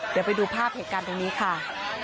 เดี๋ยวไปดูภาพเหตุการณ์ตรงนี้ค่ะ